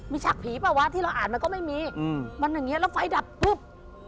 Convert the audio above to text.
มีชักผีเปล่าวะที่เราอ่านมันก็ไม่มีมันอย่างนี้แล้วไฟดับปุ๊บ